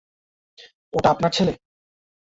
ওটা আপনার ছেলে?